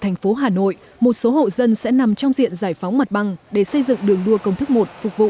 thành phố hà nội một số hộ dân sẽ nằm trong diện giải phóng mặt bằng để xây dựng đường đua công thức một phục vụ